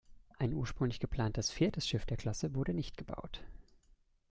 Ein ursprünglich geplantes viertes Schiff der Klasse wurde nicht gebaut.